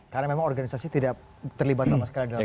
karena memang organisasi tidak terlibat sama sekali